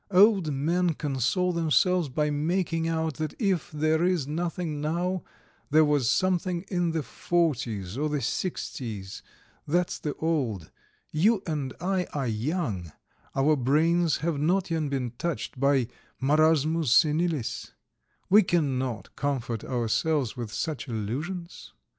Old men console themselves by making out that if there is nothing now, there was something in the forties or the sixties; that's the old: you and I are young; our brains have not yet been touched by marasmus senilis; we cannot comfort ourselves with such illusions.